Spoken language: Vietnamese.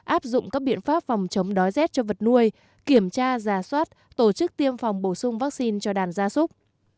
áp dụng các biện pháp phòng chống đói rét cho vật nuôi kiểm tra giả soát tổ chức tiêm phòng bổ sung vaccine cho đàn gia súc